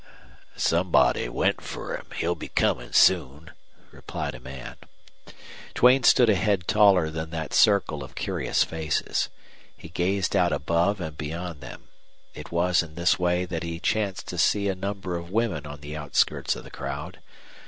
"Somebody went fer him. He'll be comin' soon," replied a man. Duane stood a head taller than that circle of curious faces. He gazed out above and beyond them. It was in this way that he chanced to see a number of women on the outskirts of the crowd.